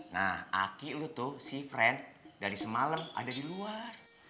nah aki lu tuh si fren dari semalam ada di luar